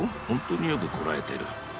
ほんとによくこらえてる。